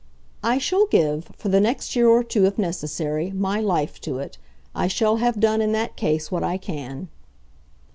"I shall give, for the next year or two if necessary, my life to it. I shall have done in that case what I can."